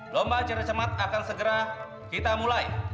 lomba acara cemat akan segera kita mulai